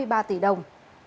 công an tỉnh lâm đồng